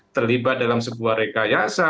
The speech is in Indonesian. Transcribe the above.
terlibat dalam sebuah rekayasa